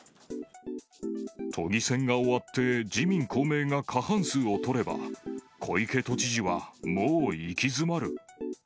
都議選が終わって、自民、公明が過半数を取れば、小池都知事は、もう行き詰まる。